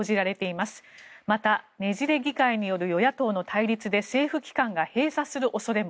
また、ねじれ議会による与野党の対立で政府機関が閉鎖する恐れも。